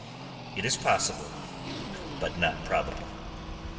It is possible, but not probable.